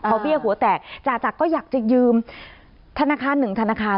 พอเบี้ยหัวแตกจ่าจักรก็อยากจะยืมธนาคารหนึ่งธนาคาร